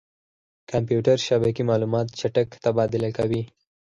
کمپیوټر شبکې معلومات چټک تبادله کوي.